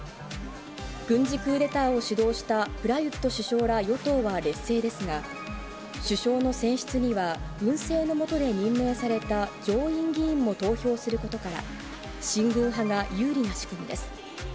軍事クーデターを主導したプラユット首相ら与党は劣勢ですが、首相の選出には、軍政の下で任命された上院議員も投票することから、親軍派が有利な仕組みです。